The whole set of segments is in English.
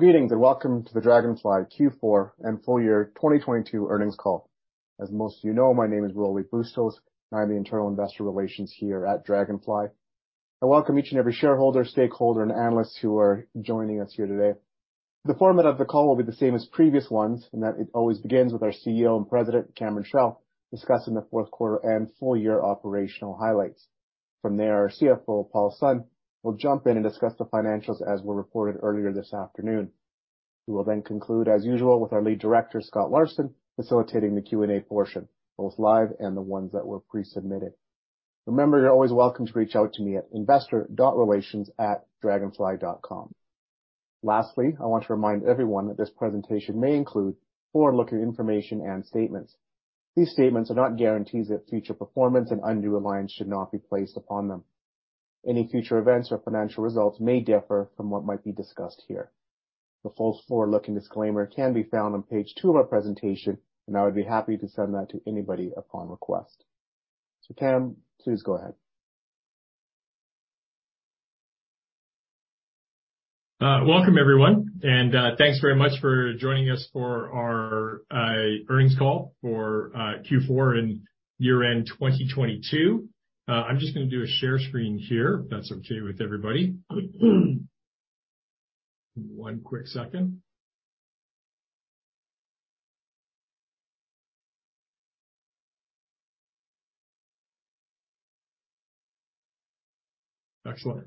Greetings, welcome to the Draganfly Q4 and full year 2022 earnings call. As most of you know, my name is Rolly Bustos, and I'm the internal investor relations here at Draganfly. I welcome each and every shareholder, stakeholder, and analysts who are joining us here today. The format of the call will be the same as previous ones, in that it always begins with our CEO and President, Cameron Chell, discussing the fourth quarter and full year operational highlights. From there, our CFO, Paul Sun, will jump in and discuss the financials as were reported earlier this afternoon. We will then conclude as usual with our Lead Director, Scott Larson, facilitating the Q&A portion, both live and the ones that were pre-submitted. Remember, you're always welcome to reach out to me at investor.relations@Draganfly.com. Lastly, I want to remind everyone that this presentation may include forward-looking information and statements. These statements are not guarantees of future performance, undue reliance should not be placed upon them. Any future events or financial results may differ from what might be discussed here. The full forward-looking disclaimer can be found on page two of our presentation, I would be happy to send that to anybody upon request. Cam, please go ahead. Welcome everyone, thanks very much for joining us for our earnings call for Q4 and year-end 2022. I'm just gonna do a share screen here, if that's okay with everybody. One quick second. Excellent.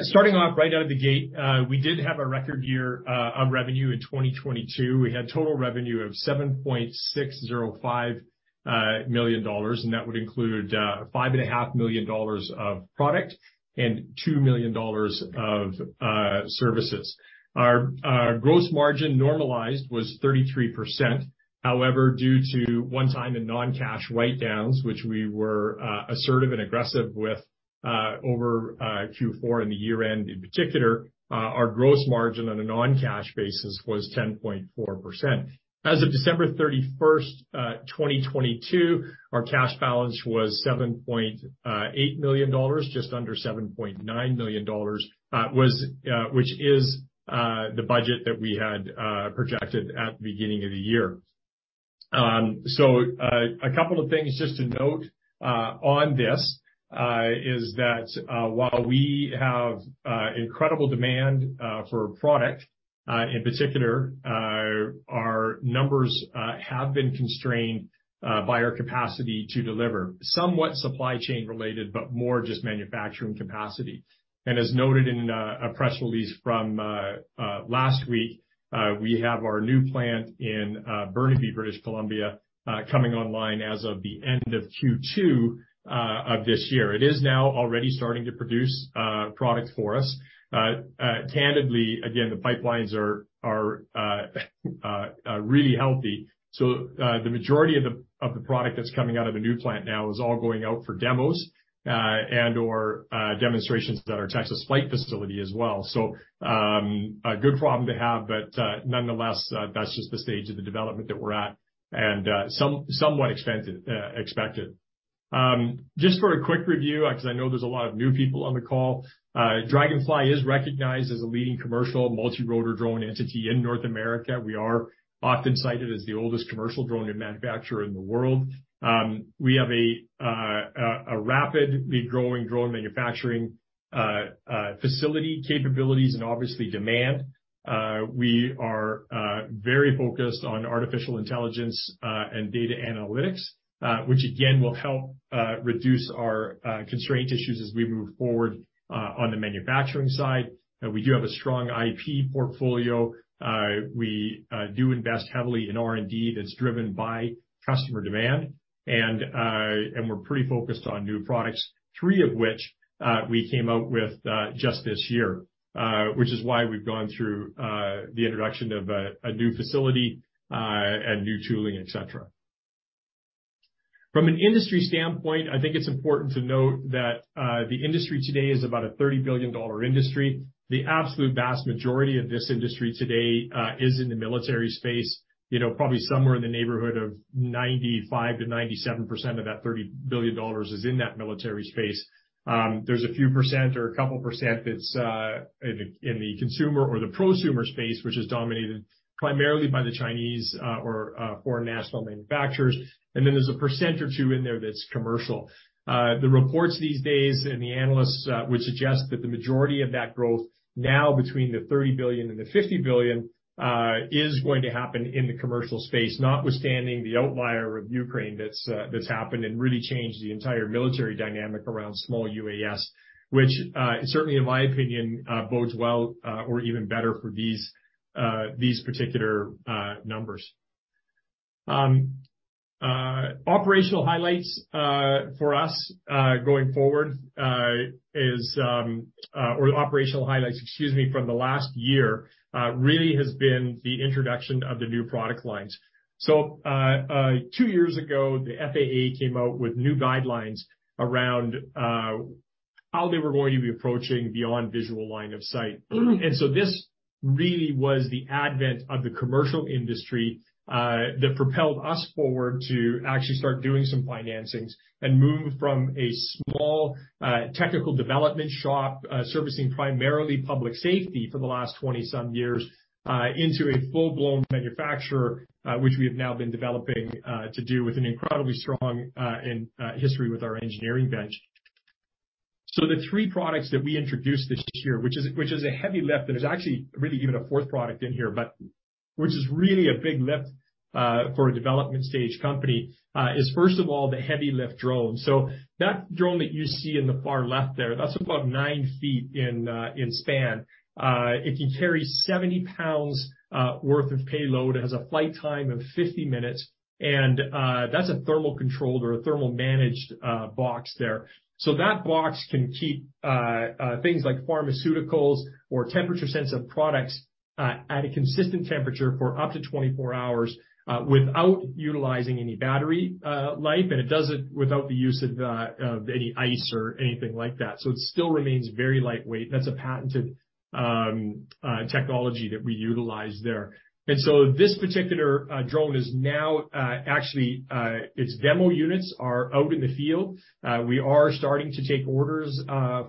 Starting off right out of the gate, we did have a record year of revenue in 2022. We had total revenue of $7.605 million, that would include five and a half million dollars of product and $2 million of services. Our gross margin normalized was 33%. Due to one-time and non-cash write downs, which we were assertive and aggressive with over Q4 and the year-end in particular, our gross margin on a non-cash basis was 10.4%. As of December 31st, 2022, our cash balance was $7.8 million, just under $7.9 million, was which is the budget that we had projected at the beginning of the year. A couple of things just to note on this is that while we have incredible demand for product, in particular, our numbers have been constrained by our capacity to deliver. Somewhat supply chain related, but more just manufacturing capacity. As noted in a press release from last week, we have our new plant in Burnaby, British Columbia, coming online as of the end of Q2 of this year. It is now already starting to produce products for us. Candidly, again, the pipelines are really healthy. The majority of the product that's coming out of the new plant now is all going out for demos and/or demonstrations at our Texas flight facility as well. A good problem to have, but nonetheless, that's just the stage of the development that we're at and somewhat expected. Just for a quick review, 'cause I know there's a lot of new people on the call. Draganfly is recognized as a leading commercial multi-rotor drone entity in North America. We are often cited as the oldest commercial drone manufacturer in the world. We have a rapidly growing drone manufacturing facility capabilities and obviously demand. We are very focused on artificial intelligence and data analytics, which again, will help reduce our constraint issues as we move forward on the manufacturing side. We do have a strong IP portfolio. We do invest heavily in R&D that's driven by customer demand, and we're pretty focused on new products, three of which we came out with just this year. Which is why we've gone through the introduction of a new facility and new tooling, et cetera. From an industry standpoint, I think it's important to note that the industry today is about a $30 billion industry. The absolute vast majority of this industry today is in the military space. You know, probably somewhere in the neighborhood of 95%-97% of that $30 billion is in that military space. There's a few percentage or a couple percentage that's in the consumer or the prosumer space, which is dominated primarily by the Chinese or foreign national manufacturers. Then there's a percentage or two in there that's commercial. The reports these days and the analysts would suggest that the majority of that growth now between the $30 billion and the $50 billion is going to happen in the commercial space, notwithstanding the outlier of Ukraine that's happened and really changed the entire military dynamic around small UAS. Which, certainly, in my opinion, bodes well or even better for these particular numbers. Operational highlights for us going forward is or operational highlights, excuse me, from the last year really has been the introduction of the new product lines. Two years ago, the FAA came out with new guidelines around how they were going to be approaching Beyond Visual Line of Sight. This really was the advent of the commercial industry that propelled us forward to actually start doing some financings and move from a small technical development shop servicing primarily public safety for the last 20 some years into a full-blown manufacturer which we have now been developing to do with an incredibly strong and history with our engineering bench. The three products that we introduced this year, which is a heavy lift, and there's actually really even a 4th product in here, but which is really a big lift for a development stage company, is first of all, the heavy lift drone. That drone that you see in the far left there, that's about 9 ft in span. It can carry 70 lbs worth of payload. It has a flight time of 50 minutes. That's a thermal controlled or a thermal managed box there. That box can keep things like pharmaceuticals or temperature sense of products at a consistent temperature for up to 24 hours without utilizing any battery life, and it does it without the use of any ice or anything like that. It still remains very lightweight. That's a patented technology that we utilize there. This particular drone is now actually its demo units are out in the field. We are starting to take orders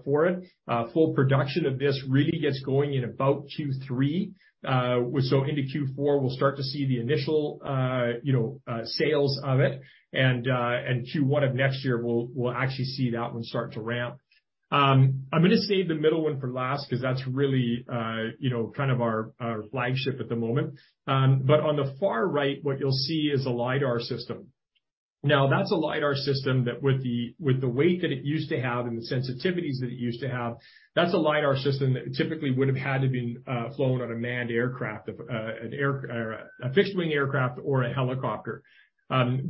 for it. Full production of this really gets going in about Q3, so into Q4, we'll start to see the initial, you know, sales of it. Q1 of next year, we'll actually see that one start to ramp. I'm gonna save the middle one for last 'cause that's really, you know, kind of our flagship at the moment. On the far right, what you'll see is a Lidar system. That's a Lidar system that with the weight that it used to have and the sensitivities that it used to have, that's a Lidar system that typically would have had to been flown on a manned aircraft or a fixed-wing aircraft or a helicopter.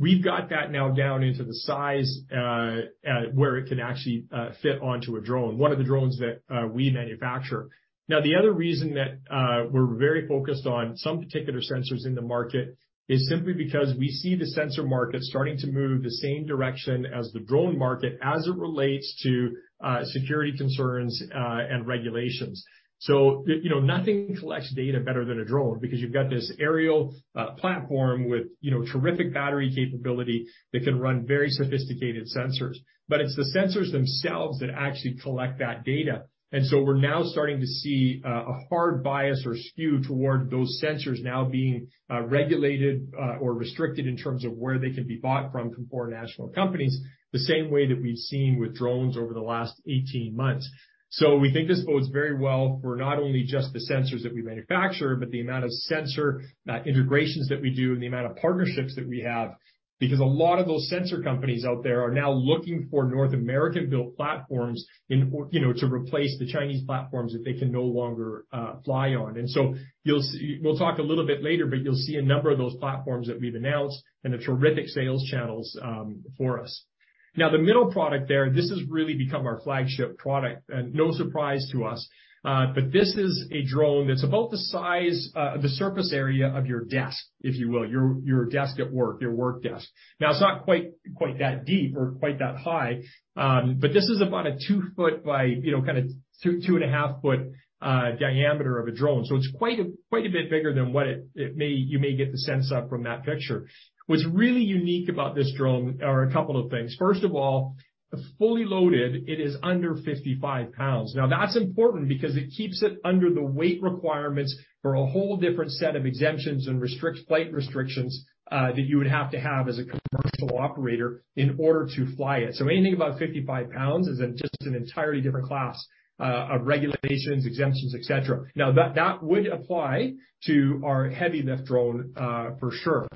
We've got that now down into the size where it can actually fit onto a drone, one of the drones that we manufacture. The other reason that we're very focused on some particular sensors in the market is simply because we see the sensor market starting to move the same direction as the drone market as it relates to security concerns and regulations. You know, nothing collects data better than a drone because you've got this aerial platform with, you know, terrific battery capability that can run very sophisticated sensors. It's the sensors themselves that actually collect that data. We're now starting to see a hard bias or skew toward those sensors now being regulated or restricted in terms of where they can be bought from foreign national companies, the same way that we've seen with drones over the last 18 months. We think this bodes very well for not only just the sensors that we manufacture, but the amount of sensor integrations that we do and the amount of partnerships that we have, because a lot of those sensor companies out there are now looking for North American-built platforms in or, you know, to replace the Chinese platforms that they can no longer fly on. You'll see we'll talk a little bit later, but you'll see a number of those platforms that we've announced and the terrific sales channels for us. The middle product there, this has really become our flagship product and no surprise to us. But this is a drone that's about the size, the surface area of your desk, if you will, your desk at work, your work desk. It's not quite that deep or quite that high, but this is about a 2 ft by, you know, kinda 2.5 ft diameter of a drone. It's quite a bit bigger than what you may get the sense of from that picture. What's really unique about this drone are a couple of things. First of all, fully loaded, it is under 55 lbs. That's important because it keeps it under the weight requirements for a whole different set of exemptions and flight restrictions that you would have to have as a commercial operator in order to fly it. Anything above 55 lbs is just an entirely different class of regulations, exemptions, et cetera. That would apply to our heavy lift drone for sure.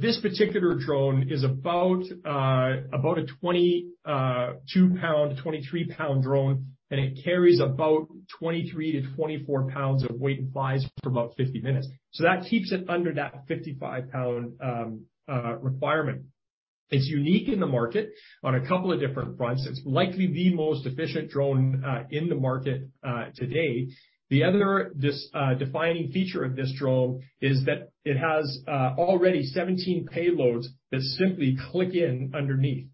This particular drone is about a 22 lbs, 23 lbs drone, and it carries about 23 lbs-24 lbs of weight and flies for about 50 minutes. That keeps it under that 55 lbs requirement. It's unique in the market on a couple of different fronts. It's likely the most efficient drone in the market to date. The other defining feature of this drone is that it has already 17 payloads that simply click in underneath.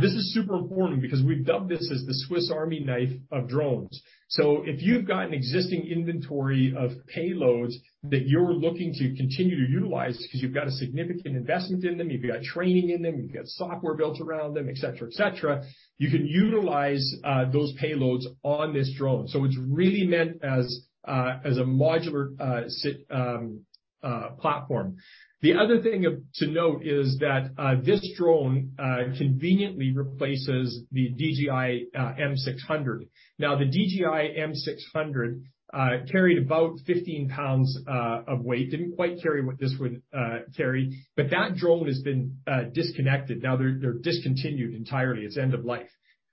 This is super important because we've dubbed this as the Swiss Army knife of drones. If you've got an existing inventory of payloads that you're looking to continue to utilize because you've got a significant investment in them, you've got training in them, you've got software built around them, et cetera, et cetera, you can utilize those payloads on this drone. It's really meant as a modular platform. The other thing to note is that this drone conveniently replaces the DJI M600. The DJI M600 carried about 15 lbs of weight. Didn't quite carry what this would carry, that drone has been disconnected. They're discontinued entirely. It's end of life.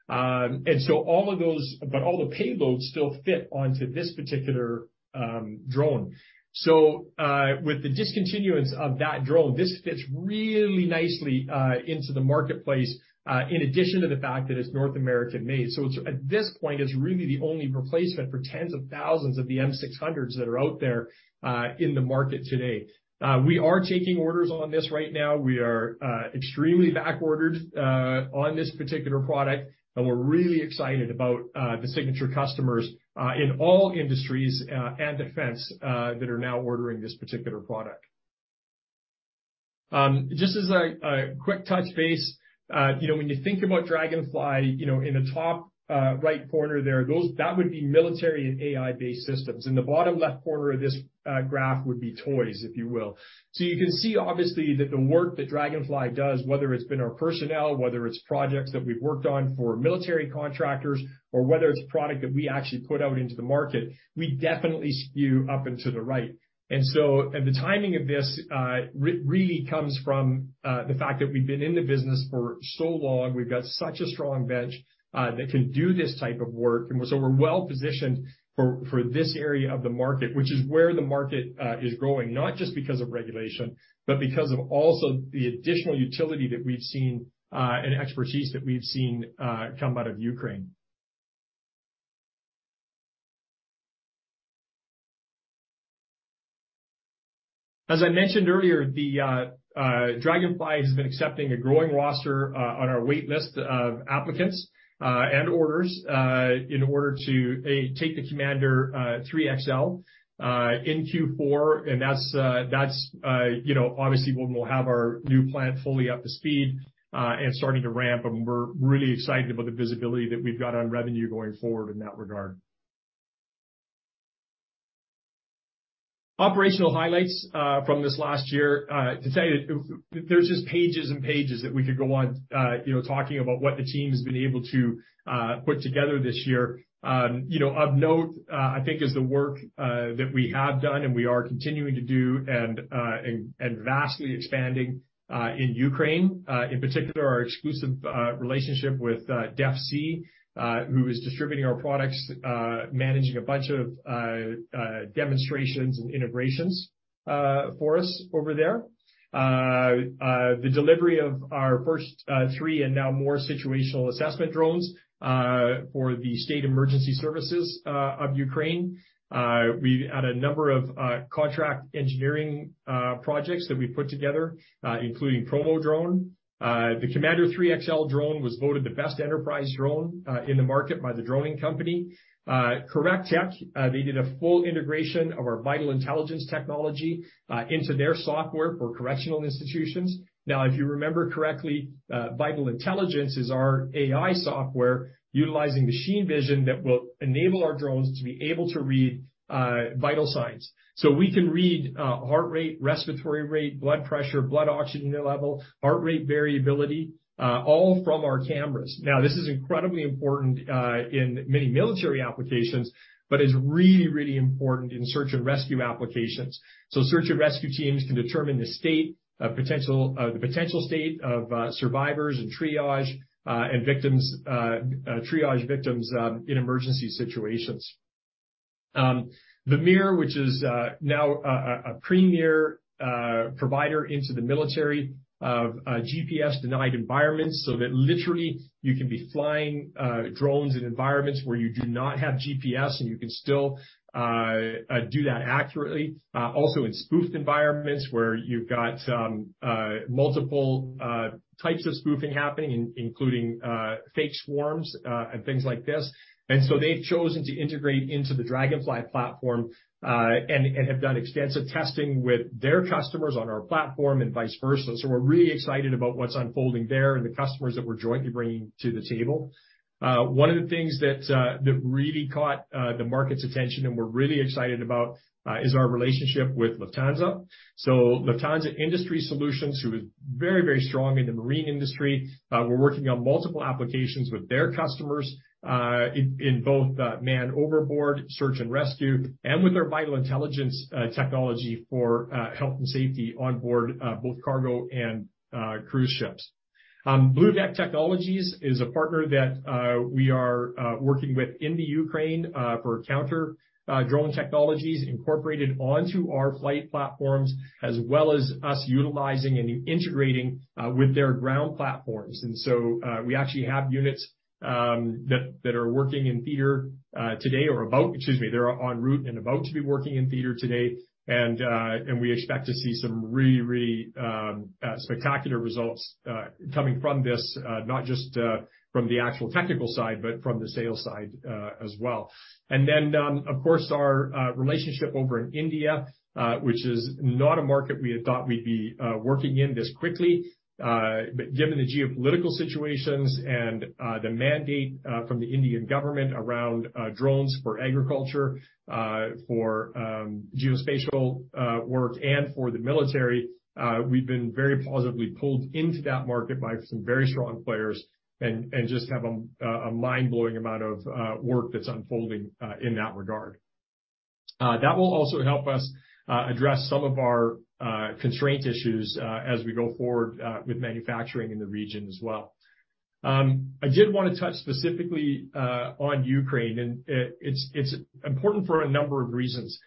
All the payloads still fit onto this particular drone. With the discontinuance of that drone, this fits really nicely into the marketplace, in addition to the fact that it's North American-made. At this point, it's really the only replacement for tens of thousands of the M600s that are out there in the market today. We are taking orders on this right now. We are extremely back-ordered on this particular product, and we're really excited about the signature customers in all industries and defense that are now ordering this particular product. Just as a quick touch base, you know, when you think about Draganfly, you know, in the top right corner there, that would be military and AI-based systems. In the bottom left corner of this graph would be toys, if you will. You can see, obviously, that the work that Draganfly does, whether it's been our personnel, whether it's projects that we've worked on for military contractors, or whether it's product that we actually put out into the market, we definitely skew up into the right. The timing of this really comes from the fact that we've been in the business for so long, we've got such a strong bench that can do this type of work. We're well-positioned for this area of the market, which is where the market is growing, not just because of regulation, but because of also the additional utility that we've seen and expertise that we've seen come out of Ukraine. As I mentioned earlier, the Draganfly has been accepting a growing roster on our wait list of applicants and orders in order to, A, take the Commander 3XL in Q4, and that's, you know, obviously, when we'll have our new plant fully up to speed and starting to ramp. We're really excited about the visibility that we've got on revenue going forward in that regard. Operational highlights from this last year, to tell you there's just pages and pages that we could go on, you know, talking about what the team has been able to put together this year. You know, of note, I think is the work that we have done and we are continuing to do and vastly expanding in Ukraine, in particular, our exclusive relationship with Def-C, who is distributing our products, managing a bunch of demonstrations and integrations for us over there. The delivery of our first three and now more situational assessment drones for the state emergency services of Ukraine. We had a number of contract engineering projects that we put together, including PromoDrone. The Commander 3 XL drone was voted the best enterprise drone in the market by The Droning Company. CorrecTek, they did a full integration of our Vital Intelligence technology into their software for correctional institutions. Now, if you remember correctly, Vital Intelligence is our AI software utilizing machine vision that will enable our drones to be able to read vital signs. So we can read heart rate, respiratory rate, blood pressure, blood oxygen level, heart rate variability, all from our cameras. Now, this is incredibly important in many military applications, but is really, really important in search and rescue applications. So search and rescue teams can determine the state of the potential state of survivors and triage victims in emergency situations. Wamore, which is now a premier provider into the military of GPS-denied environments, so that literally you can be flying drones in environments where you do not have GPS, and you can still do that accurately. Also in spoofed environments where you've got multiple types of spoofing happening, including fake swarms and things like this. They've chosen to integrate into the Draganfly platform and have done extensive testing with their customers on our platform and vice versa. We're really excited about what's unfolding there and the customers that we're jointly bringing to the table. One of the things that really caught the market's attention and we're really excited about is our relationship with Lufthansa. Lufthansa Industry Solutions, who is very, very strong in the marine industry, we're working on multiple applications with their customers in both man overboard, search and rescue, and with their Vital Intelligence technology for health and safety on board both cargo and cruise ships. Bluvec Technologies is a partner that we are working with in the Ukraine for counter drone technologies incorporated onto our flight platforms, as well as us utilizing and integrating with their ground platforms. We actually have units that are working in theater today or about. They're on route and about to be working in theater today, and we expect to see some really spectacular results coming from this, not just from the actual technical side, but from the sales side as well. Of course, our relationship over in India, which is not a market we had thought we'd be working in this quickly, but given the geopolitical situations and the mandate from the Indian government around drones for agriculture, for geospatial work and for the military, we've been very positively pulled into that market by some very strong players and just have a mind-blowing amount of work that's unfolding in that regard. That will also help us address some of our constraint issues as we go forward with manufacturing in the region as well. I did wanna touch specifically on Ukraine, and, it's important for a number of reasons.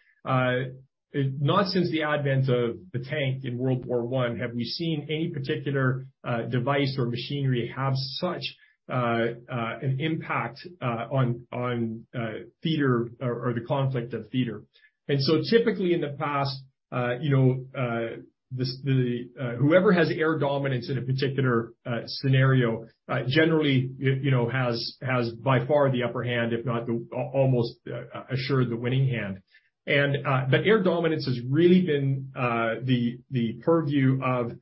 It not since the advent of the tank in World War I have we seen any particular device or machinery have such an impact on theater or the conflict of theater. Typically in the past, you know, the whoever has air dominance in a particular scenario, generally you know, has by far the upper hand, if not almost assured the winning hand. But air dominance has really been the purview of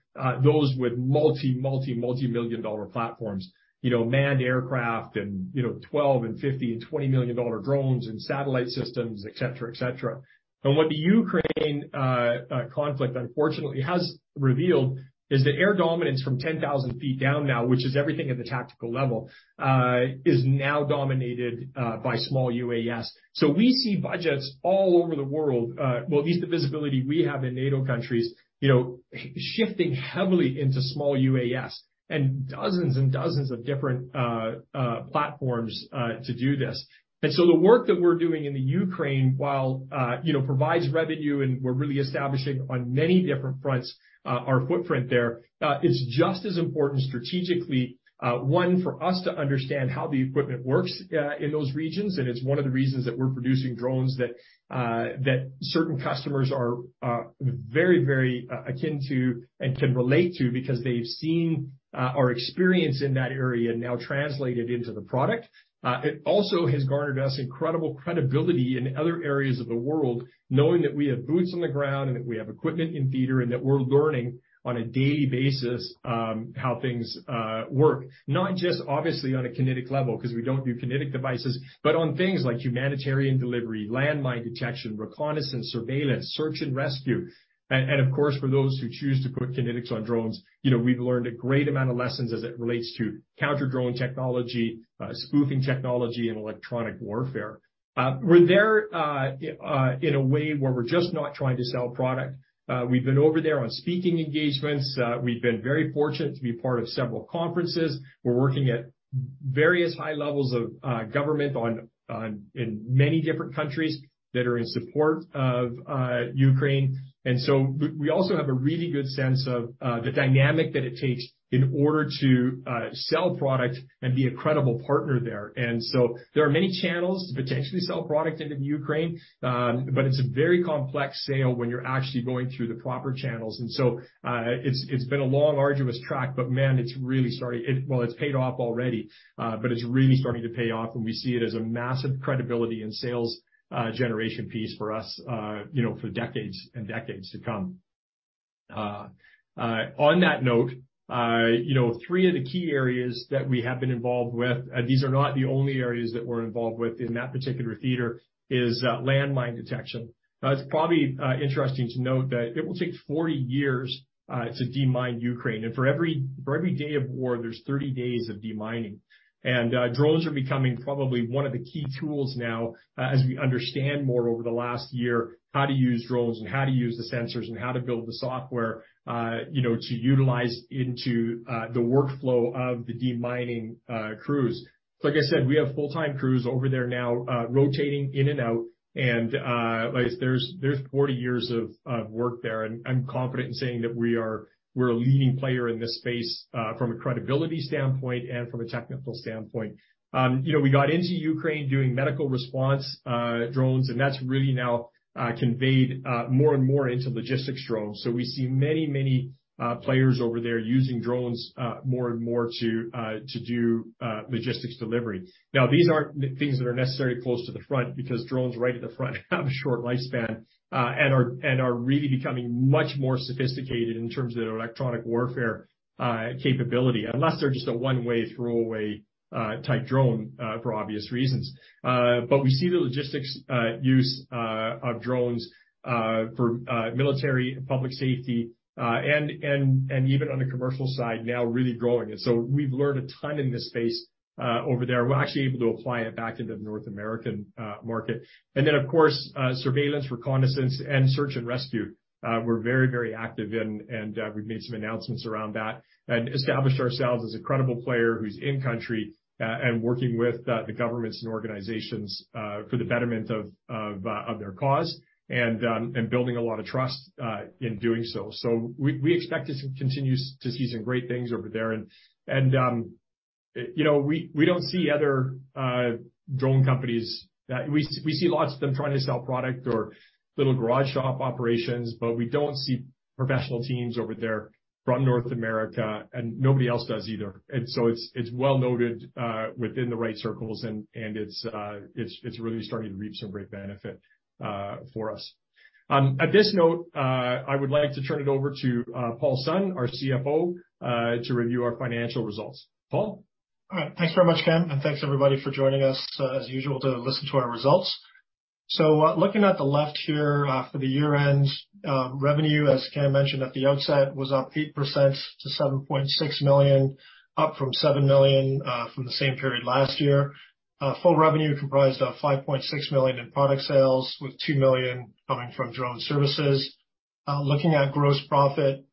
those with multi-multi-multi-million dollar platforms, you know, manned aircraft and, you know, $12 million and $50 million and $20 million dollar drones and satellite systems, et cetera, et cetera. What the Ukraine conflict unfortunately has revealed is that air dominance from 10,000 ft down now, which is everything at the tactical level, is now dominated by small UAS. We see budgets all over the world, well, at least the visibility we have in NATO countries, you know, shifting heavily into small UAS and dozens and dozens of different platforms to do this. The work that we're doing in Ukraine while, you know, provides revenue and we're really establishing on many different fronts, our footprint there, is just as important strategically, one, for us to understand how the equipment works in those regions, and it's one of the reasons that we're producing drones that certain customers are very, very akin to and can relate to because they've seen our experience in that area now translated into the product. It also has garnered us incredible credibility in other areas of the world, knowing that we have boots on the ground and that we have equipment in theater and that we're learning on a daily basis, how things work, not just obviously on a kinetic level 'cause we don't do kinetic devices, but on things like humanitarian delivery, landmine detection, reconnaissance, surveillance, search and rescue. And of course, for those who choose to put kinetics on drones, you know, we've learned a great amount of lessons as it relates to counter-drone technology, spoofing technology and electronic warfare. We're there in a way where we're just not trying to sell product. We've been over there on speaking engagements. We've been very fortunate to be part of several conferences. We're working at various high levels of government on in many different countries that are in support of Ukraine. We also have a really good sense of the dynamic that it takes in order to sell product and be a credible partner there. There are many channels to potentially sell product into Ukraine, but it's a very complex sale when you're actually going through the proper channels. It's been a long, arduous track, but man, it's really starting... Well, it's paid off already, but it's really starting to pay off, and we see it as a massive credibility and sales generation piece for us, you know, for decades and decades to come. On that note, you know, three of the key areas that we have been involved with, these are not the only areas that we're involved with in that particular theater, is landmine detection. Now, it's probably interesting to note that it will take 40 years to demine Ukraine. For every, for every day of war, there's 30 days of demining. Drones are becoming probably one of the key tools now, as we understand more over the last year how to use drones and how to use the sensors and how to build the software, you know, to utilize into the workflow of the demining crews. Like I said, we have full-time crews over there now, rotating in and out, and, like there's 40 years of work there, and I'm confident in saying that we're a leading player in this space, from a credibility standpoint and from a technical standpoint. You know, we got into Ukraine doing medical response drones, and that's really now conveyed more and more into logistics drones. We see many players over there using drones, more and more to do logistics delivery. Now, these aren't things that are necessarily close to the front because drones right at the front have a short lifespan, and are really becoming much more sophisticated in terms of their electronic warfare capability, unless they're just a one-way, throwaway type drone, for obvious reasons. We see the logistics use of drones for military, public safety, and even on the commercial side now really growing. We've learned a ton in this space over there. We're actually able to apply it back into the North American market. Then, of course, surveillance, reconnaissance, and search and rescue, we're very active in, and, we've made some announcements around that and established ourselves as a credible player who's in country, and working with the governments and organizations for the betterment of their cause and building a lot of trust in doing so. We expect to continue to see some great things over there. You know, we don't see other drone companies. We see lots of them trying to sell product or little garage shop operations, but we don't see professional teams over there from North America, and nobody else does either. It's well noted within the right circles and it's really starting to reap some great benefit for us. At this note, I would like to turn it over to Paul Sun, our CFO, to review our financial results. Paul? All right. Thanks very much, Cam, thanks everybody for joining us as usual to listen to our results. Looking at the left here, for the year-end, revenue, as Cam mentioned at the outset, was up 8% to $7.6 million, up from $7 million from the same period last year. Full revenue comprised of $5.6 million in product sales with $2 million coming from drone services. Looking at gross profit,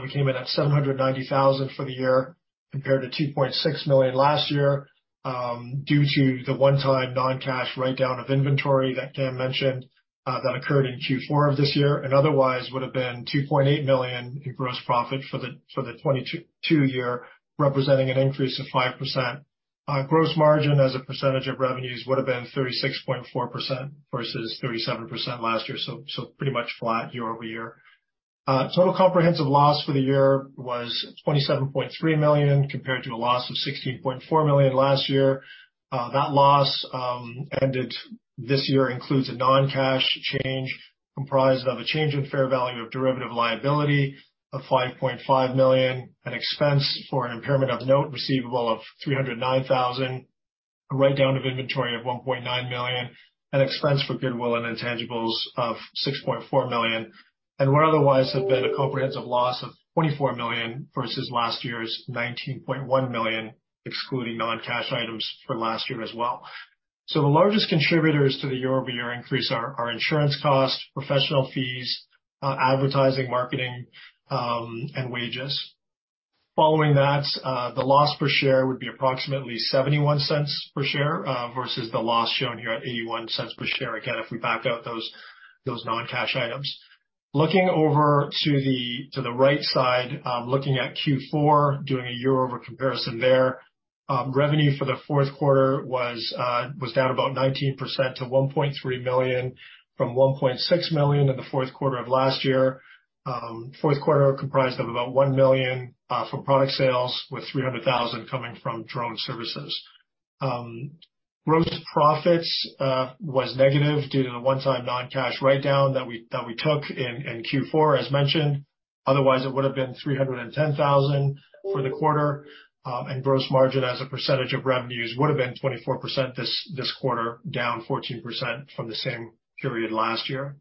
we came in at $790,000 for the year compared to $2.6 million last year, due to the one-time non-cash write down of inventory that Cam mentioned, that occurred in Q4 of this year and otherwise would have been $2.8 million in gross profit for the 2022 year, representing an increase of 5%. Our gross margin as a percentage of revenues would have been 36.4% versus 37% last year. Pretty much flat year-over-year. Total comprehensive loss for the year was $27.3 million compared to a loss of $16.4 million last year. That loss ended this year includes a non-cash change comprised of a change in fair value of derivative liability of $5.5 million, an expense for an impairment of note receivable of $309,000, a write down of inventory of $1.9 million, an expense for goodwill and intangibles of $6.4 million, and would otherwise have been a comprehensive loss of $24 million versus last year's $19.1 million, excluding non-cash items for last year as well. The largest contributors to the year-over-year increase are insurance costs, professional fees, advertising, marketing, and wages. Following that, the loss per share would be approximately $0.71 per share versus the loss shown here at $0.81 per share, again, if we back out those non-cash items. Looking over to the right side, looking at Q4, doing a year-over-year comparison there. Revenue for the fourth quarter was down about 19% to $1.3 million from $1.6 million in the fourth quarter of last year. Fourth quarter comprised of about $1 million from product sales, with $300,000 coming from drone services. Gross profits was negative due to the one-time non-cash write down that we took in Q4, as mentioned. Otherwise, it would have been $310,000 for the quarter. Gross margin as a percentage of revenues would have been 24% this quarter, down 14% from the same period last year.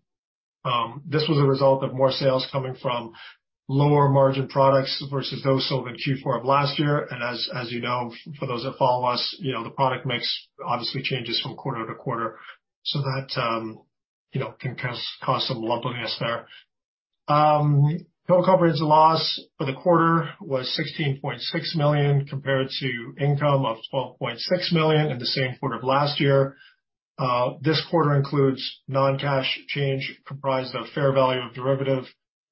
This was a result of more sales coming from lower margin products versus those sold in Q4 of last year. As you know, for those that follow us, you know, the product mix obviously changes from quarter to quarter, so that, you know, can cause some lumpiness there. Total comprehensive loss for the quarter was $16.6 million compared to income of $12.6 million in the same quarter of last year. This quarter includes non-cash change comprised of fair value of derivative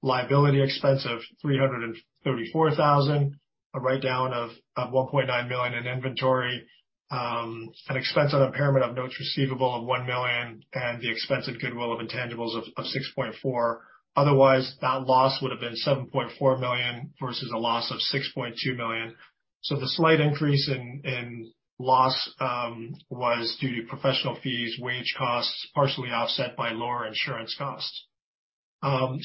liability expense of $334,000, a write down of $1.9 million in inventory, an expense on impairment of notes receivable of $1 million, and the expense of goodwill and intangibles of $6.4 million. Otherwise, that loss would have been $7.4 million versus a loss of $6.2 million. The slight increase in loss was due to professional fees, wage costs, partially offset by lower insurance costs.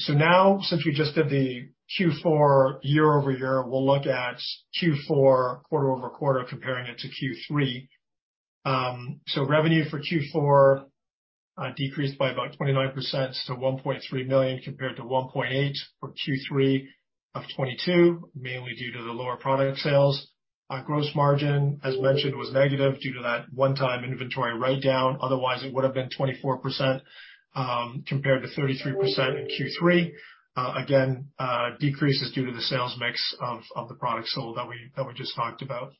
Now, since we just did the Q4 year-over-year, we'll look at Q4 quarter-over-quarter, comparing it to Q3. Revenue for Q4 decreased by about 29% to $1.3 million compared to $1.8 million for Q3 of 2022, mainly due to the lower product sales. Our gross margin, as mentioned, was negative due to that one-time inventory write down. Otherwise, it would have been 24%, compared to 33% in Q3. Again, decreases due to the sales mix of the products sold that we just talked about.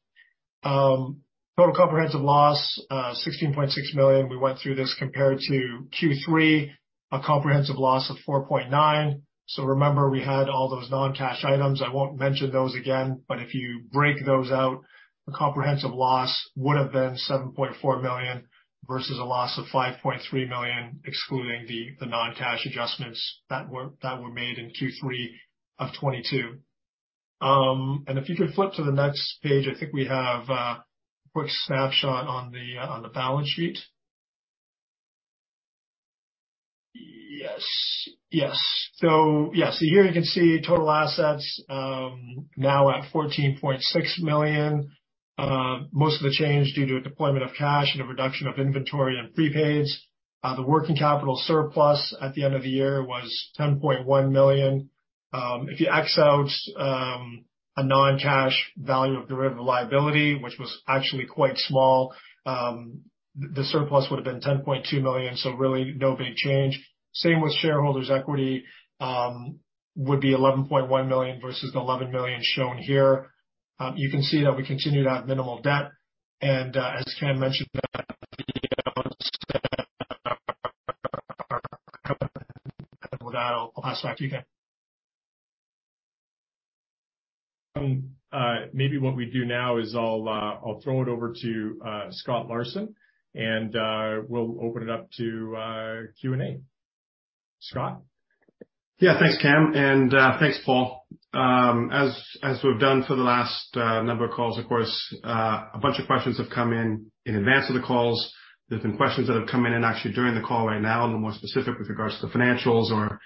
Total comprehensive loss, $16.6 million. We went through this compared to Q3, a comprehensive loss of $4.9 million. Remember, we had all those non-cash items. I won't mention those again, but if you break those out, the comprehensive loss would have been $7.4 million versus a loss of $5.3 million, excluding the non-cash adjustments that were made in Q3 of 2022. If you could flip to the next page, I think we have a quick snapshot on the balance sheet. Yes. Yes. Here you can see total assets now at $14.6 million. Most of the change due to a deployment of cash and a reduction of inventory and prepaids. The working capital surplus at the end of the year was $10.1 million. If you x out a non-cash value of derivative liability, which was actually quite small, the surplus would have been $10.2 million, so really no big change. Same with shareholders' equity would be $11.1 million versus the $11 million shown here. You can see that we continue to have minimal debt. As Cam mentioned, I'll pass it back to you, Cam. Maybe what we do now is I'll throw it over to Scott Larson, and we'll open it up to Q&A. Scott? Yeah. Thanks, Cam, and thanks, Paul. As we've done for the last number of calls, of course, a bunch of questions have come in in advance of the calls. There's been questions that have come in and actually during the call right now, and they're more specific with regards to the financials or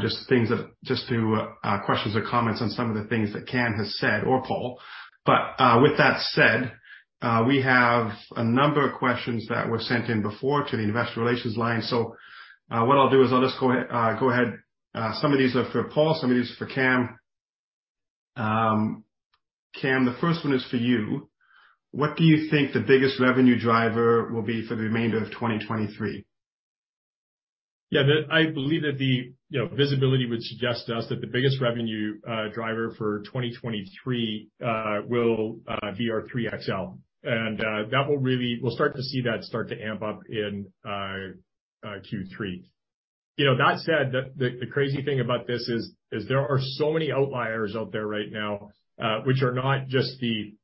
just to questions or comments on some of the things that Cam has said or Paul. With that said, we have a number of questions that were sent in before to the investor relations line. What I'll do is I'll just go ahead. Some of these are for Paul, some of these are for Cam. Cam, the first one is for you. What do you think the biggest revenue driver will be for the remainder of 2023? Yeah. I believe that the, you know, visibility would suggest to us that the biggest revenue driver for 2023 will be our 3 XL. We'll start to see that amp up in Q3. You know, that said, the crazy thing about this is there are so many outliers out there right now, which are not just the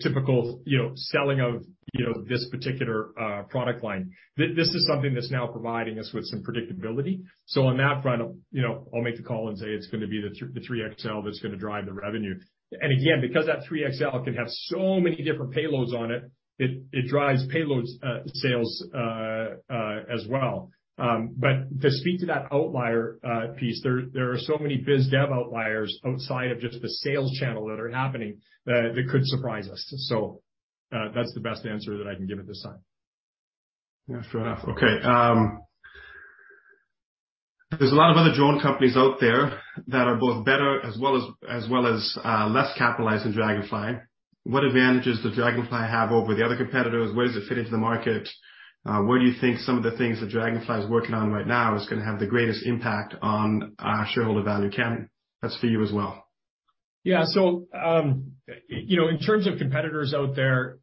typical, you know, selling of, you know, this particular product line. This is something that's now providing us with some predictability. On that front, you know, I'll make the call and say it's gonna be the 3 XL that's gonna drive the revenue. Again, because that 3 XL can have so many different payloads on it drives payloads sales as well. To speak to that outlier piece, there are so many biz dev outliers outside of just the sales channel that are happening that could surprise us. That's the best answer that I can give at this time. Yeah. Fair enough. Okay. There's a lot of other drone companies out there that are both better as well as less capitalized than Draganfly. What advantages does Draganfly have over the other competitors? Where does it fit into the market? Where do you think some of the things that Draganfly is working on right now is gonna have the greatest impact on shareholder value? Cam, that's for you as well. Yeah. So, you know, in terms of competitors out there,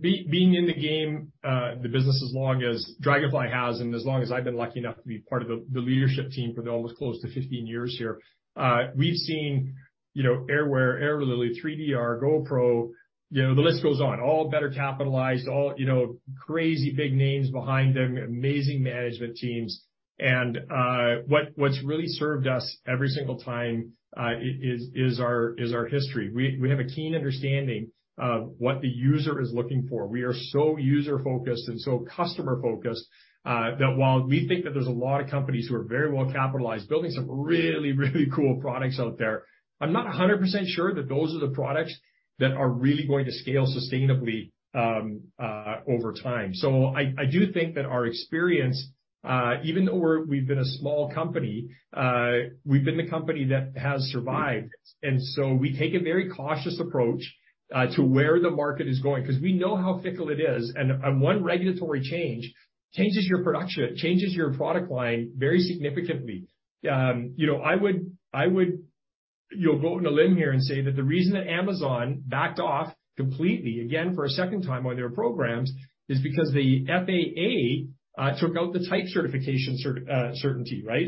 being in the game, the business as long as Draganfly has, and as long as I've been lucky enough to be part of the leadership team for almost close to 15 years here, we've seen, you know, Airware, Aerolily, 3DR, GoPro, you know, the list goes on, all better capitalized, all, you know, crazy big names behind them, amazing management teams. What's really served us every single time, is our history. We have a keen understanding of what the user is looking for. We are so user-focused and so customer-focused, that while we think that there's a lot of companies who are very well capitalized, building some really, really cool products out there, I'm not 100% sure that those are the products that are really going to scale sustainably, over time. I do think that our experience, even though we've been a small company, we've been the company that has survived. We take a very cautious approach, to where the market is going because we know how fickle it is. One regulatory change changes your production, changes your product line very significantly. You know, I would, you know, go out on a limb here and say that the reason that Amazon backed off completely again for a second time on their programs is because the FAA took out the type certification certainty, right?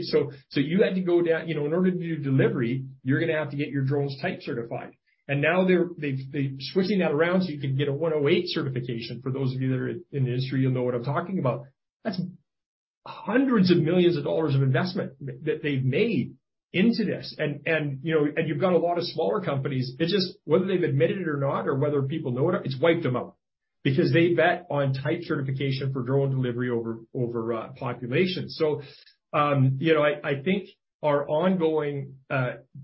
You had to go down... You know, in order to do delivery, you're gonna have to get your drones type certified. Now they're switching that around, so you can get a 108 certification. For those of you that are in the industry, you'll know what I'm talking about. That's hundreds of millions of dollars of investment that they've made into this. You know, and you've got a lot of smaller companies. It's just whether they've admitted it or not or whether people know it's wiped them out because they bet on type certification for drone delivery over population. You know, I think our ongoing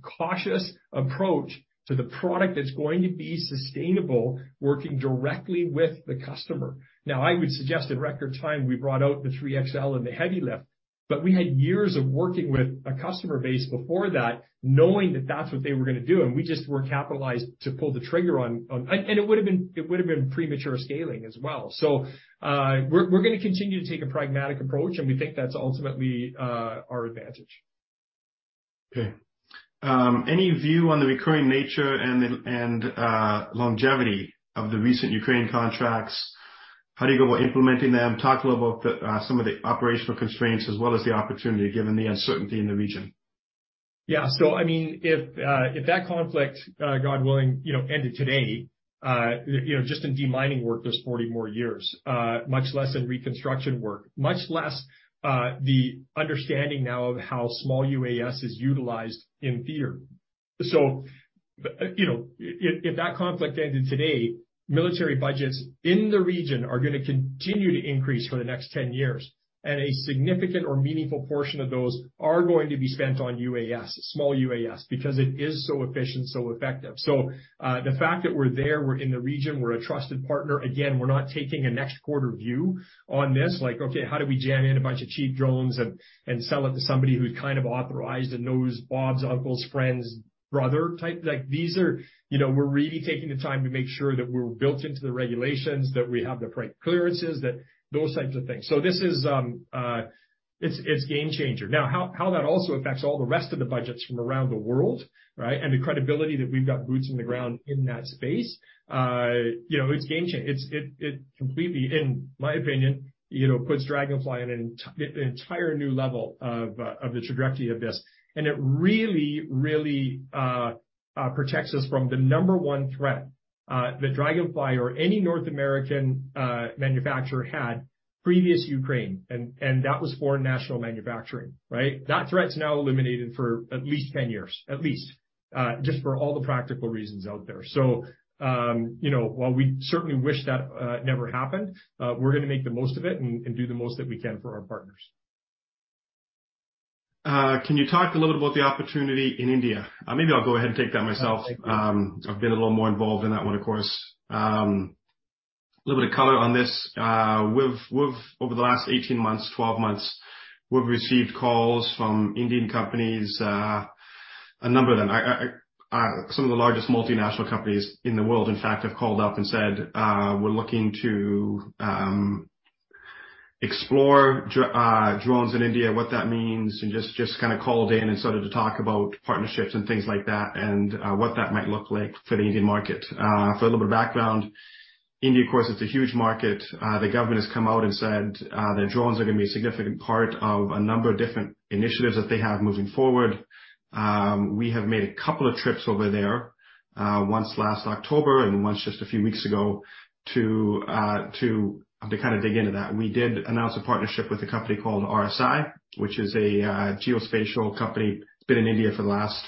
cautious approach to the product that's going to be sustainable, working directly with the customer. I would suggest in record time we brought out the 3 XL and the heavy lift, but we had years of working with a customer base before that, knowing that that's what they were gonna do, and we just were capitalized to pull the trigger on... It would have been premature scaling as well. We're gonna continue to take a pragmatic approach, and we think that's ultimately our advantage. Any view on the recurring nature and the longevity of the recent Ukraine contracts? How do you go about implementing them? Talk a little about some of the operational constraints as well as the opportunity, given the uncertainty in the region. Yeah. I mean, if that conflict, God willing, you know, ended today, you know, just in demining work, there's 40 more years, much less in reconstruction work, much less, the understanding now of how small UAS is utilized in theater. You know, if that conflict ended today, military budgets in the region are gonna continue to increase for the next 10 years, and a significant or meaningful portion of those are going to be spent on UAS, small UAS, because it is so efficient, so effective. The fact that we're there, we're in the region, we're a trusted partner, again, we're not taking a next quarter view on this. Like, okay, how do we jam in a bunch of cheap drones and sell it to somebody who's kind of authorized and knows Bob's uncle's friend's brother type. Like, these are. You know, we're really taking the time to make sure that we're built into the regulations, that we have the right clearances, that those types of things. This is, it's game changer. How that also affects all the rest of the budgets from around the world, right? The credibility that we've got boots on the ground in that space, you know, it's game change. It completely, in my opinion, you know, puts Draganfly in an entire new level of the trajectory of this. It really protects us from the number one threat that Draganfly or any North American manufacturer had previous Ukraine, and that was foreign national manufacturing, right? That threat's now eliminated for at least 10 years, at least, just for all the practical reasons out there. You know, while we certainly wish that never happened, we're gonna make the most of it and do the most that we can for our partners. Can you talk a little about the opportunity in India? Maybe I'll go ahead and take that myself. I've been a little more involved in that one, of course. A little bit of color on this. We've over the last 18 months, 12 months, we've received calls from Indian companies, a number of them. I, some of the largest multinational companies in the world, in fact, have called up and said, "We're looking to explore drones in India," what that means, and just kinda called in and started to talk about partnerships and things like that and what that might look like for the Indian market. A little bit of background. India, of course, is a huge market. The government has come out and said that drones are gonna be a significant part of a number of different initiatives that they have moving forward. We have made a couple of trips over there, once last October and once just a few weeks ago to kinda dig into that. We did announce a partnership with a company called RSI, which is a geospatial company. It's been in India for the last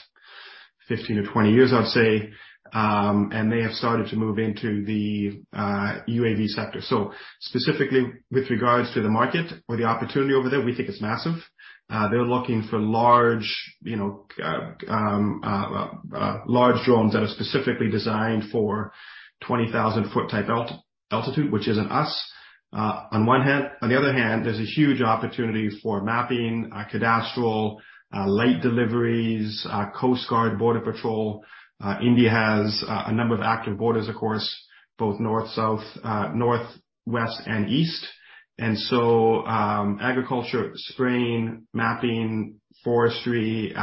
15 years or 20 years, I'd say, and they have started to move into the UAV sector. Specifically with regards to the market or the opportunity over there, we think it's massive. They're looking for large, you know, large drones that are specifically designed for 20,000-foot-type altitude, which isn't us on one hand. On the other hand, there's a huge opportunity for mapping, cadastral, late deliveries, coast guard, border patrol. India has a number of active borders, of course, both north, south, north, west, and east. So, agriculture, spraying, mapping, forestry,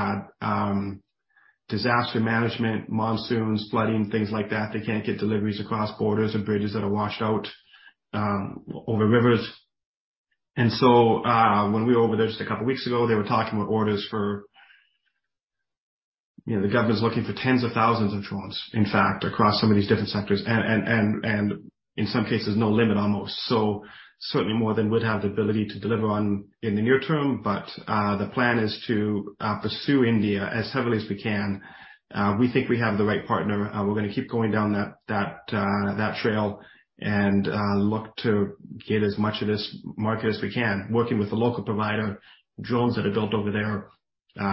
disaster management, monsoons, flooding, things like that, they can't get deliveries across borders or bridges that are washed out, over rivers. So, when we were over there just a couple weeks ago, they were talking about orders for... You know, the government's looking for tens of thousands of drones, in fact, across some of these different sectors and in some cases, no limit almost. So certainly more than we'd have the ability to deliver on in the near term. The plan is to pursue India as heavily as we can. We think we have the right partner. We're gonna keep going down that trail and look to get as much of this market as we can, working with a local provider, drones that are built over there,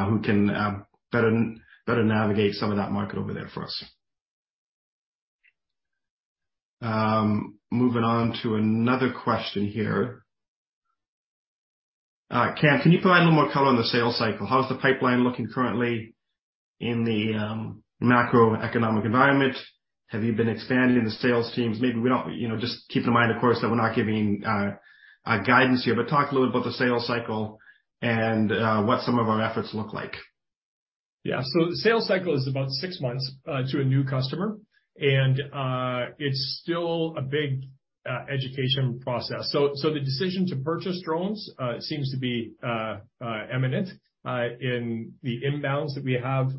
who can better navigate some of that market over there for us. Moving on to another question here. Cam, can you provide a little more color on the sales cycle? How's the pipeline looking currently in the macroeconomic environment? Have you been expanding the sales teams? You know, just keep in mind, of course, that we're not giving guidance here. Talk a little about the sales cycle and what some of our efforts look like. Yeah. The sales cycle is about six months, to a new customer, and it's still a big education process. The decision to purchase drones seems to be eminent in the inbounds that we have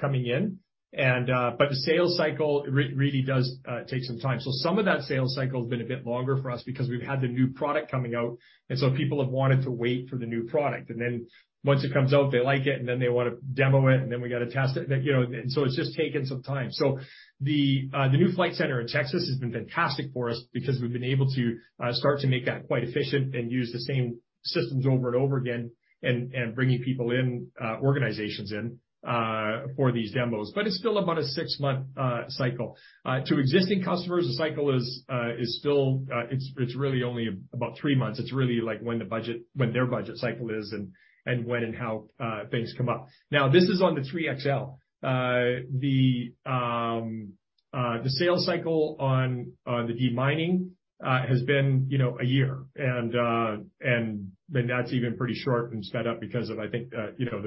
coming in. The sales cycle really does take some time. Some of that sales cycle has been a bit longer for us because we've had the new product coming out, and so people have wanted to wait for the new product. Once it comes out, they like it, and then they want to demo it, and then we got to test it. You know, it's just taken some time. The new flight center in Texas has been fantastic for us because we've been able to start to make that quite efficient and use the same systems over and over again and bringing people in, organizations in, for these demos. It's still about a six-month cycle. To existing customers, the cycle is still it's really only about three months. It's really, like, when their budget cycle is and when and how things come up. This is on the 3 XL. The sales cycle on the deep mining has been, you know, one year. That's even pretty short and sped up because of, I think, you know,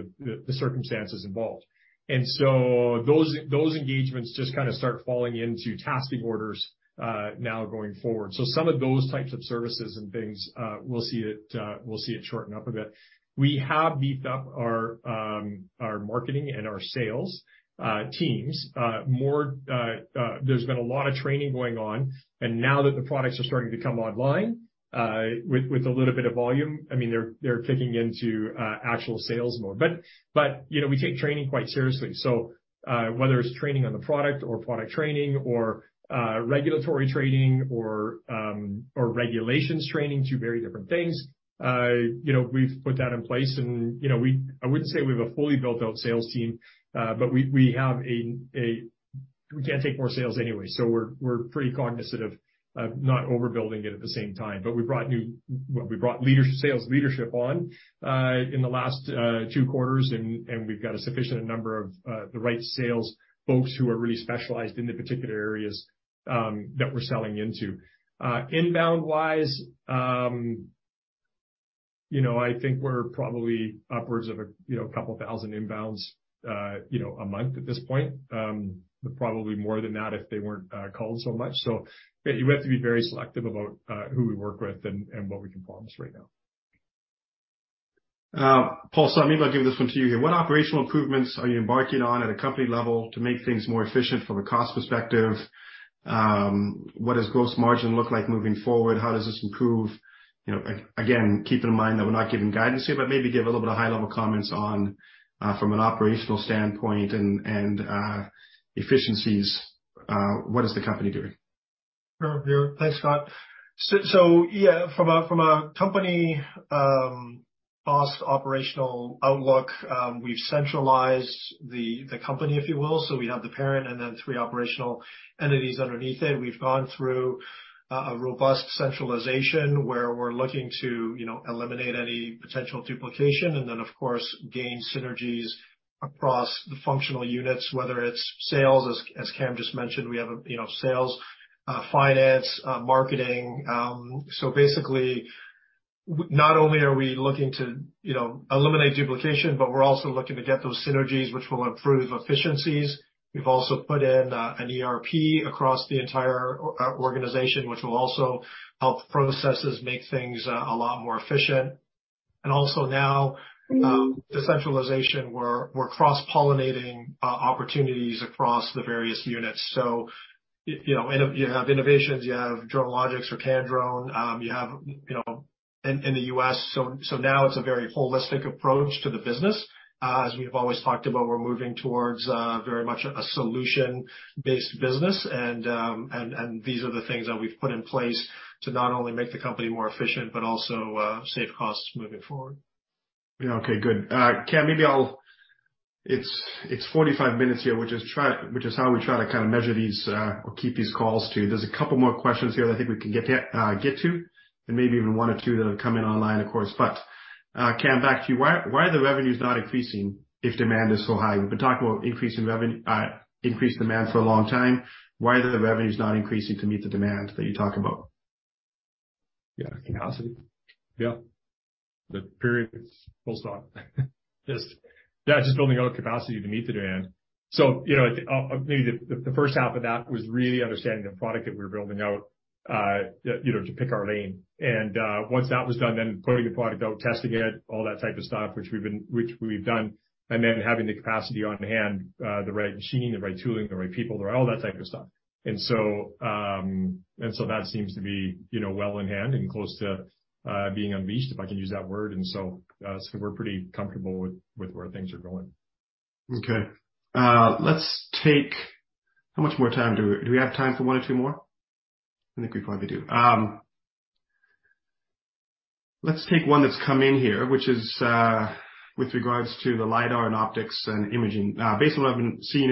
the circumstances involved. Those engagements just kinda start falling into tasking orders now going forward. Some of those types of services and things, we'll see it shorten up a bit. We have beefed up our marketing and our sales teams. More, there's been a lot of training going on. Now that the products are starting to come online, with a little bit of volume, I mean, they're kicking into actual sales mode. You know, we take training quite seriously. Whether it's training on the product or product training or regulatory training or regulations training, two very different things, you know, we've put that in place. You know, I wouldn't say I wouldn't say we have a fully built-out sales team, but we have a... We can't take more sales anyway, so we're pretty cognizant of not overbuilding it at the same time. We brought sales leadership on in the last two quarters and we've got a sufficient number of the right sales folks who are really specialized in the particular areas that we're selling into. Inbound-wise, you know, I think we're probably upwards of a, you know, 2,000 inbounds, you know, a month at this point. Probably more than that if they weren't calling so much. Yeah, we have to be very selective about who we work with and what we can promise right now. Paul, I may as well give this one to you here. What operational improvements are you embarking on at a company level to make things more efficient from a cost perspective? What does gross margin look like moving forward? How does this improve? You know, again, keeping in mind that we're not giving guidance here, but maybe give a little bit of high-level comments on, from an operational standpoint and efficiencies, what is the company doing? Sure. Thanks, Scott. Yeah, from a, from a company, us operational outlook, we've centralized the company, if you will. We have the parent and then three operational entities underneath it. We've gone through a robust centralization where we're looking to, you know, eliminate any potential duplication and then of course, gain synergies across the functional units, whether it's sales, as Cam just mentioned, we have, you know, sales, finance, marketing. Basically, not only are we looking to, you know, eliminate duplication, but we're also looking to get those synergies which will improve efficiencies. We've also put in an ERP across the entire organization, which will also help processes make things a lot more efficient. Also now, the centralization, we're cross-pollinating opportunities across the various units. You know, you have innovations, you have DroneLogix or Candrone. You have, you know, in the U.S. Now it's a very holistic approach to the business. As we have always talked about, we're moving towards a very much a solution-based business. These are the things that we've put in place to not only make the company more efficient, but also save costs moving forward. Yeah. Okay, good. Cam, maybe I'll. It's 45 minutes here, which is how we try to kind of measure these or keep these calls to. There's a couple more questions here that I think we can get to, and maybe even one or two that have come in online, of course. Cam, back to you. Why are the revenues not increasing if demand is so high? We've been talking about increasing increased demand for a long time. Why are the revenues not increasing to meet the demand that you talk about? Yeah. Capacity. Yeah. The period. Full stop. Just, yeah, just building out capacity to meet the demand. You know, maybe the first half of that was really understanding the product that we were building out, you know, to pick our lane. Once that was done, then putting the product out, testing it, all that type of stuff, which we've done, and then having the capacity on hand, the right machining, the right tooling, the right people, all that type of stuff. That seems to be, you know, well in hand and close to being unleashed, if I can use that word. We're pretty comfortable with where things are going. Okay. Do we have time for one or two more? I think we probably do. Let's take one that's come in here, which is with regards to the Lidar and optics and imaging. Based on what I've seen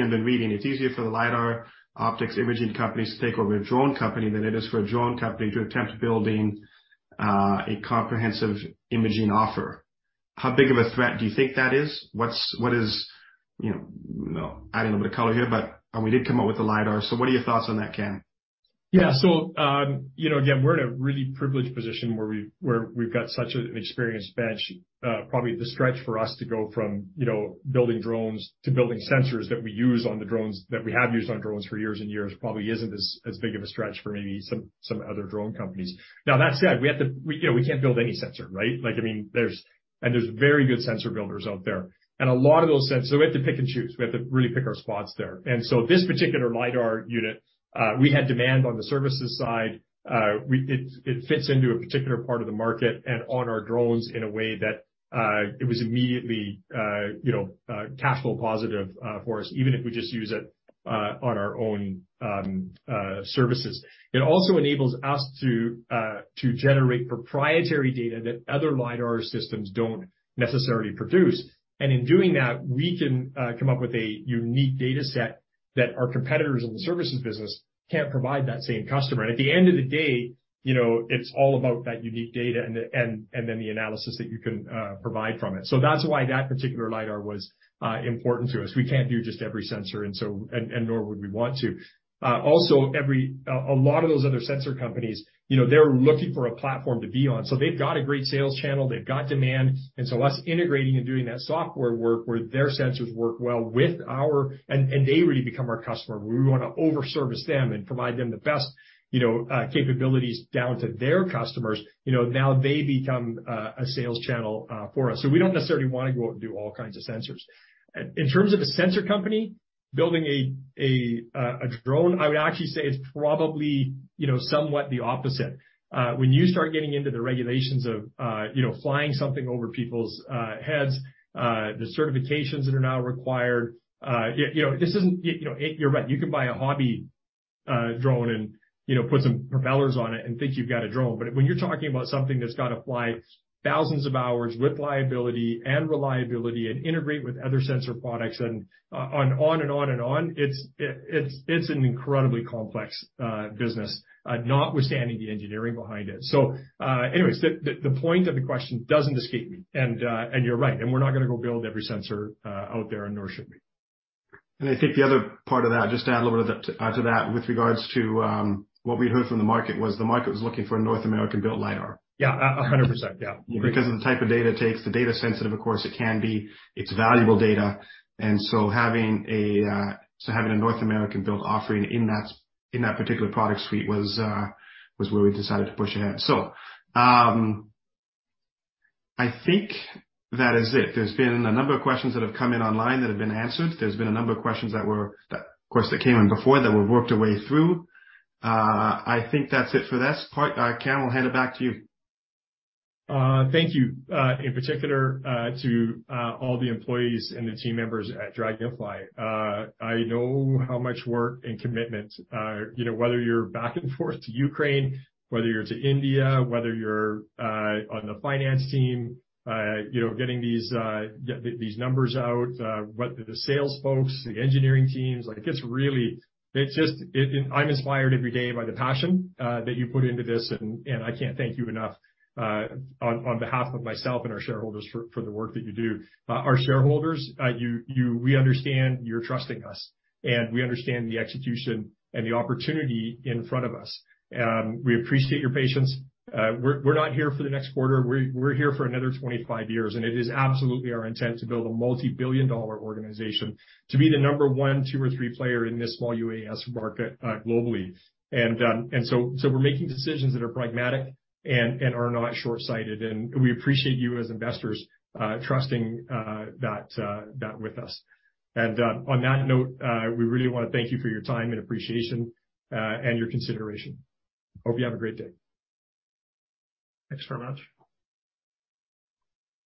and been reading, it's easier for the Lidar optics imaging companies to take over a drone company than it is for a drone company to attempt building a comprehensive imaging offer. How big of a threat do you think that is? What's, what is, you know, adding a bit of color here, but, we did come up with the lidar. What are your thoughts on that, Cam? Yeah. You know, again, we're in a really privileged position where we've got such an experienced bench. Probably the stretch for us to go from, you know, building drones to building sensors that we use on the drones, that we have used on drones for years and years, probably isn't as big of a stretch for maybe some other drone companies. Now, that said, we have to, you know, we can't build any sensor, right? Like, I mean, there's very good sensor builders out there. A lot of those sensors. We have to pick and choose. We have to really pick our spots there. This particular Lidar unit, we had demand on the services side. It fits into a particular part of the market and on our drones in a way that it was immediately, you know, cash flow positive for us, even if we just use it on our own services. It also enables us to generate proprietary data that other Lidar systems don't necessarily produce. In doing that, we can come up with a unique data set that our competitors in the services business can't provide that same customer. At the end of the day, you know, it's all about that unique data and then the analysis that you can provide from it. That's why that particular Lidar was important to us. We can't do just every sensor and so, nor would we want to. Also, a lot of those other sensor companies, you know, they're looking for a platform to be on. They've got a great sales channel, they've got demand, us integrating and doing that software work where their sensors work well with our. They really become our customer. We wanna over-service them and provide them the best, you know, capabilities down to their customers. You know, now they become a sales channel for us. We don't necessarily wanna go out and do all kinds of sensors. In terms of a sensor company building a drone, I would actually say it's probably, you know, somewhat the opposite. When you start getting into the regulations of, you know, flying something over people's heads, the certifications that are now required, you know, this isn't... You know, you're right. You can buy a hobby drone and, you know, put some propellers on it and think you've got a drone. When you're talking about something that's gotta fly thousands of hours with liability and reliability and integrate with other sensor products and on and on and on, it's an incredibly complex business, notwithstanding the engineering behind it. Anyways, the point of the question doesn't escape me. And you're right. We're not gonna go build every sensor out there and nor should we. I think the other part of that, just to add a little bit of that to that with regards to what we heard from the market was the market was looking for a North American-built Lidar. Yeah. 100%. Yeah. You're right. Because of the type of data it takes, the data sensitive, of course, it can be. It's valuable data. Having a North American-built offering in that, in that particular product suite was where we decided to push ahead. I think that is it. There's been a number of questions that have come in online that have been answered. There's been a number of questions that, of course, that came in before that we've worked our way through. I think that's it for this part. Cam, I'll hand it back to you. Thank you, in particular, to all the employees and the team members at Draganfly. I know how much work and commitment, you know, whether you're back and forth to Ukraine, whether you're to India, whether you're on the finance team, you know, getting these these numbers out, what the sales folks, the engineering teams, like, it's really... I'm inspired every day by the passion that you put into this, and I can't thank you enough on behalf of myself and our shareholders for the work that you do. Our shareholders, you, we understand you're trusting us, and we understand the execution and the opportunity in front of us. We appreciate your patience. We're not here for the next quarter. We're here for another 25 years, and it is absolutely our intent to build a multi-billion dollar organization to be the number one, two, or three player in this small UAS market, globally. We're making decisions that are pragmatic and are not short-sighted. We appreciate you as investors, trusting that with us. On that note, we really wanna thank you for your time and appreciation and your consideration. Hope you have a great day. Thanks very much.